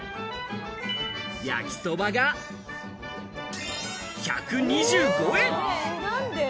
焼きそばが１２５円。